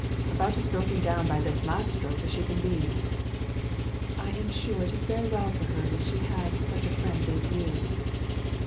"About as broken down by this last stroke as she can be." "I am sure it is very well for her that she has such a friend as you."